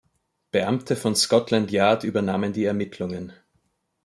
Beamte von Scotland Yard übernahmen die Ermittlungen.